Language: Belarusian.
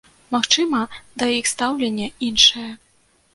Магчыма, да іх стаўленне іншае.